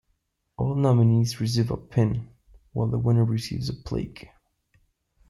All nominees receive a pin, while the winner receives a plaque.